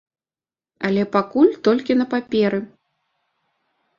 Але пакуль толькі на паперы.